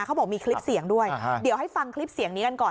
เขาบอกมีคลิปเสียงด้วยเดี๋ยวให้ฟังคลิปเสียงนี้กันก่อน